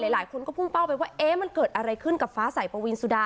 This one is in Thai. หลายคนก็พุ่งเป้าไปว่ามันเกิดอะไรขึ้นกับฟ้าสายปวีนสุดา